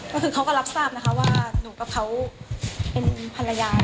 ก็คือเขาก็รับทราบว่านะคะว่าหนูกับเขาเป็นพระยาและสามีจริง